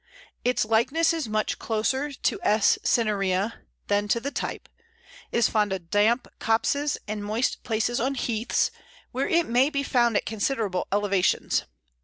Its likeness is much closer to S. cinerea than to the type; it is fond of damp copses and moist places on heaths, where it may be found at considerable elevations.